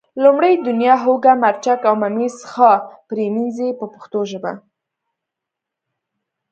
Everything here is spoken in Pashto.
لومړی دڼیا، هوګه، مرچک او ممیز ښه پرېمنځئ په پښتو ژبه.